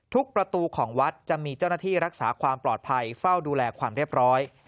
ประตูของวัดจะมีเจ้าหน้าที่รักษาความปลอดภัยเฝ้าดูแลความเรียบร้อย